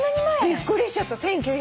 びっくりしちゃった。